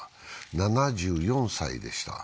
７４歳でした。